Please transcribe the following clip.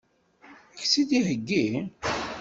Ad k-tt-id-theggi?